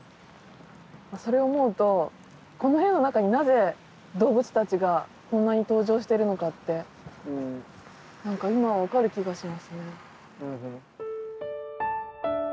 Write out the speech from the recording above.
それを思うとこの絵の中になぜ動物たちがこんなに登場しているのかって何か今分かる気がしますね。